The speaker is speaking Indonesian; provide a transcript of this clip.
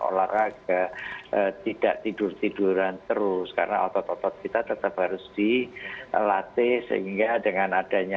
olahraga tidak tidur tiduran terus karena otot otot kita tetap harus dilatih sehingga dengan adanya